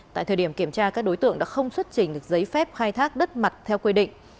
tại thời điểm kiểm tra các đối tượng đã không xuất trình được giấy phép khai thác đất mặt theo quy định